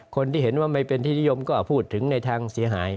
คนที่เห็นว่าไม่เป็นที่นิยมก็พูดถึงในทางเสียหาย